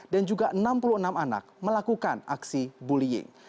dan juga enam puluh enam anak melakukan aksi bullying